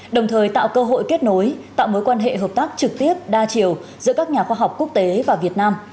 đồng thời tạo cơ hội kết nối tạo mối quan hệ hợp tác trực tiếp đa chiều giữa các nhà khoa học quốc tế và việt nam